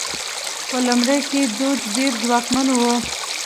په لومړیو کې دوج ډېر ځواکمن و.